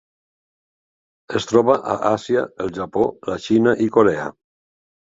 Es troba a Àsia: el Japó, la Xina i Corea.